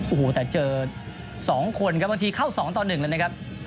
โอ้โหแต่เจอ๒คนครับบางทีเข้า๒ต่อ๑เลยนะครับ